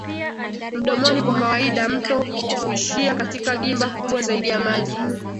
Mdomoni kwa kawaida mto huishia katika gimba kubwa zaidi ya maji